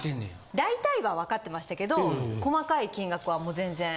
大体はわかってましたけど細かい金額はもう全然。